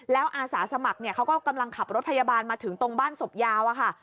แล้วอาสาสมัครเขาก็กำลังขับรถพยาบาลมาถึงตรงบ้านศพยาวอะค่ะ